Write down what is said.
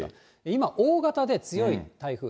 今、大型で強い台風。